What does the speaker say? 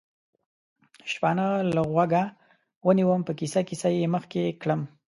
شپانه له غوږه ونیوم، په کیسه کیسه یې مخکې کړم.